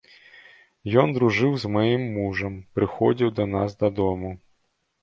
Ён дружыў з маім мужам, прыходзіў да нас дадому.